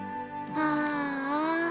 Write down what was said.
ああ。